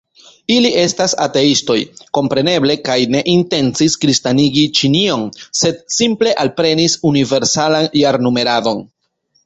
Ili estas ateistoj, kompreneble, kaj ne intencis kristanigi Ĉinion, sed simple alprenis universalan jarnumeradon.